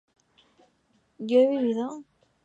¿yo he vivido?